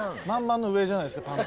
「満々」の上じゃないですか？